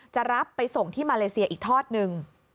จะรับไปส่งที่มาเลเซียอีกทอดหนึ่ง